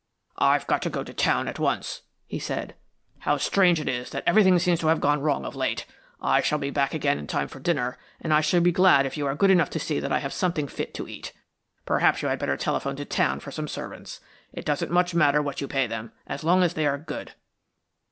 "I've got to go to town at once," he said. "How strange it is that everything seems to have gone wrong of late! I shall be back again in time for dinner, and I shall be glad if you are good enough to see that I have something fit to eat. Perhaps you had better telephone to town for some servants. It doesn't much matter what you pay them as long as they are good."